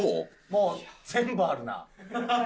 もう全部あるな。